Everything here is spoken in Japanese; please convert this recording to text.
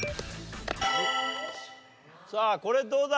さあこれどうだ？